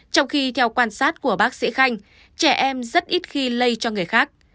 trong khi theo quan sát của bác sĩ khanh trẻ em rất ít khi lây cho người khác